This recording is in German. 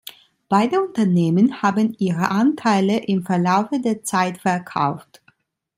Beide Unternehmen haben ihre Anteile im Verlaufe der Zeit verkauft.